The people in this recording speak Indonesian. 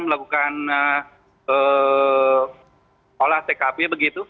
melakukan olah tkp begitu